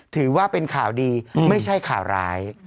ถือว่าเป็นข่าวดีไม่ใช่ข่าวร้าย